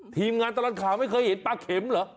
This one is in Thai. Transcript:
ทีมงานตลอดข่าวไม่เคยเห็นปลาเข็มเหรอ